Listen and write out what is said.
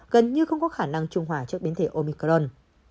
gần như không có khả năng trung hòa trước biến thể omicron